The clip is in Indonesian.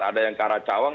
ada yang ke arah cawang